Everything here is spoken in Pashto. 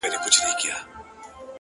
ستا د يادونو فلسفې ليكلي،